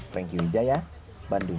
franky widjaya bandung